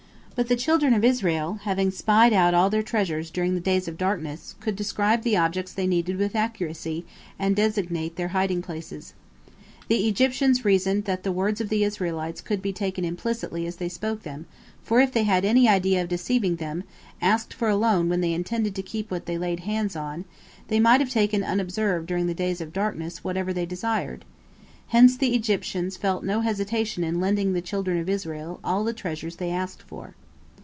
But the children of Israel, having spied out all their treasures during the days of darkness, could describe the objects they needed with accuracy, and designate their hiding places. The Egyptians reasoned that the words of the Israelites could be taken implicitly as they spoke them, for if they had had any idea of deceiving them, asking for a loan when they intended to keep what they laid hands on, they might have taken unobserved during the days of darkness whatever: they desired. Hence the Egyptians felt no hesitation in lending the children of Israel all the treasures they asked for.